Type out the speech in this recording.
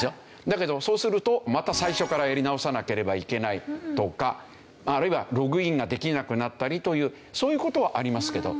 だけどそうするとまた最初からやり直さなければいけないとかあるいはログインができなくなったりというそういう事はありますけど。